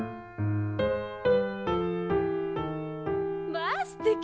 まあすてき！